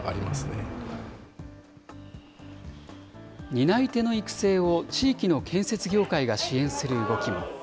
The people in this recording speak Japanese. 担い手の育成を地域の建設業界が支援する動きも。